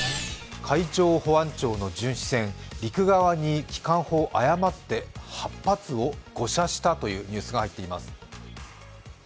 海上保安庁の巡視船陸側に機関砲８発を誤って誤射したというニュースが入っています。